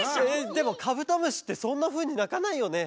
でもカブトムシってそんなふうになかないよね。